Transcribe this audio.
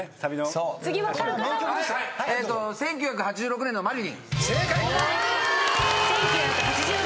『１９８６年のマリリン』正解。